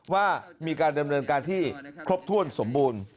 ว่ามีการดำเนินการที่ครบถ้วนสมบูรณ์